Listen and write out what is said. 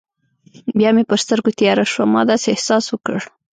بیا مې پر سترګو تیاره شوه، ما داسې احساس وکړل.